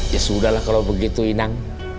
ya sudah lah kalau begitu inang